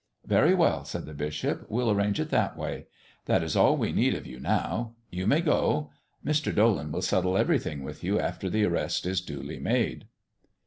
"Very well," said the bishop, "we'll arrange it that way. That is all we need of you now. You may go. Mr. Dolan will settle everything with you after the arrest is duly made."